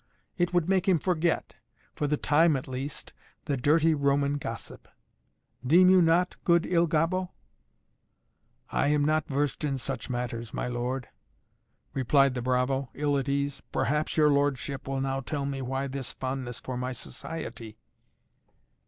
It would make him forget for the time at least the dirty Roman gossip. Deem you not, good Il Gobbo?" "I am not versed in such matters, my lord," replied the bravo, ill at ease. "Perhaps your lordship will now tell me why this fondness for my society?"